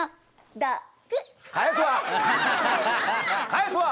返すわ！